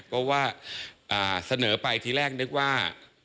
เพราะว่าเสนอไปทีแรกนึกว่า